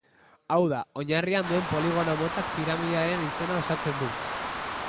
Hau da, oinarrian duen poligono-motak piramidearen izena osatzen du.